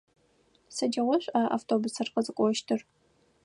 Сыдигъу шӏуа автобусыр къызыкӏощтыр?